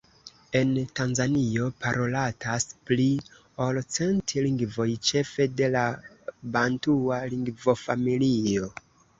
En Tanzanio parolatas pli ol cent lingvoj, ĉefe de la bantua lingvofamilio.